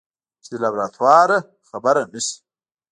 چې د لابراتوار نه خبره نشي.